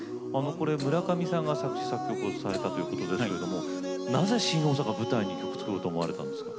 村上さんが作詞・作曲をされたということですけれどもなぜ新大阪を舞台に曲を作ろうとと思ったんですか。